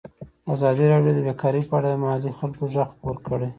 ازادي راډیو د بیکاري په اړه د محلي خلکو غږ خپور کړی.